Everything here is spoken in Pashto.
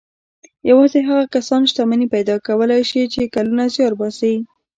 يوازې هغه کسان شتمني پيدا کولای شي چې کلونه زيار باسي.